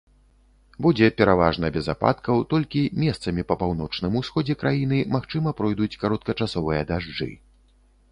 Будзе пераважна без ападкаў, толькі месцамі па паўночным усходзе краіны, магчыма, пройдуць кароткачасовыя дажджы.